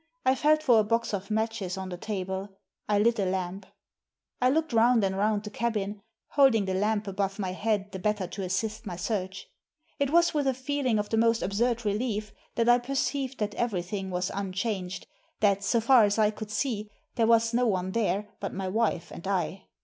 I felt for a box of matches on the table. I lit a lamp. I looked round and round the cabin, holding the lamp above my head the better to assist my search. It was with a feeling of the most absurd relief that I perceived that every thing was unchanged, tliat, so far as I could see, there was no one there but my wife and I.